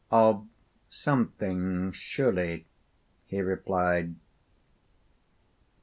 Of something, surely, he replied.